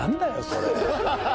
それ。